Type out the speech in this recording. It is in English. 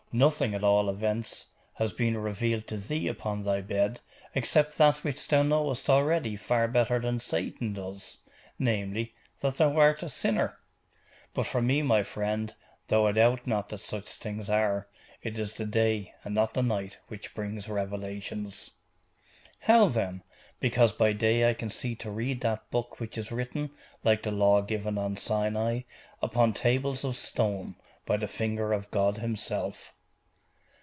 Nothing, at all events, has been revealed to thee upon thy bed, except that which thou knowest already far better than Satan does, namely, that thou art a sinner. But for me, my friend, though I doubt not that such things are, it is the day, and not the night, which brings revelations.' 'How, then?' 'Because by day I can see to read that book which is written, like the Law given on Sinai, upon tables of stone, by the finger of God Himself.